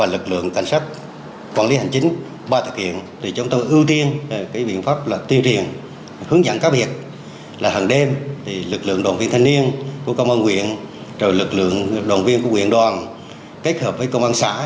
lực lượng đoàn viên thanh niên của công an nguyện lực lượng đoàn viên của nguyện đoàn kết hợp với công an xã